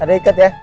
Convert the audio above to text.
ada yang ikut ya